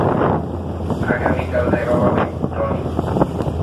আগামীকাল দেখা হবে, টনি।